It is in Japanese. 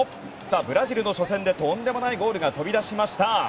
ブラジルの初戦でとんでもないゴールが飛び出しました！